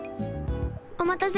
おまたせ。